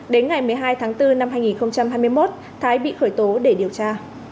đến ngày một mươi hai tháng bốn năm hai nghìn hai mươi một thái bị khởi tố để điều tra